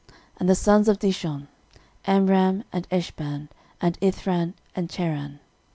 And the sons of Dishon; Amram, and Eshban, and Ithran, and Cheran.